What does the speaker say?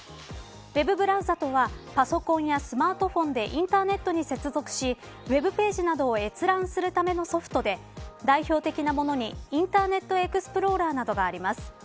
ウェブブラウザとはパソコンやスマートフォンでインターネットに接続しウェブページなどを閲覧するためのソフトで代表的なものにインターネットエクスプローラーなどがあります。